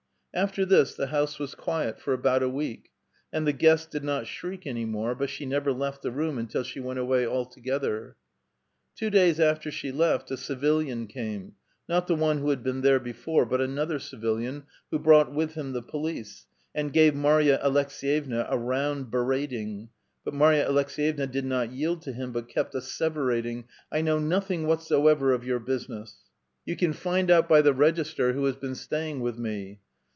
After this the house was quiet for about a week, and the guest did not shriek any more, but she never left the room until she went awaj' altogether. Two days after she left, a civilian came, not the one who had been there before, but another civilian, who brought with him the police, and gave Marya Aleks^yevna a round berating, but Marya Alek ft^yevna did not yield to him, but kept asseverating :—*' 1 know nothing whatsoever of your business. You can 14 A VITAL QUESTION. find out by the register who has been staying with me.